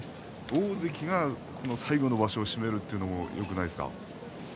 大関が最後の場所を締めるというのもよくないですか。